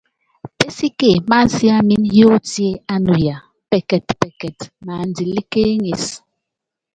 Pésíke masiámin yóotié ánuya pɛkɛtpɛkɛt naandilíkéeŋisí.